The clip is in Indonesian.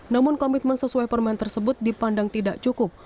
namun komitmen sesuai permen tersebut dipandang tidak cukup